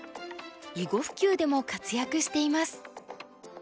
囲碁普及でも活躍しています。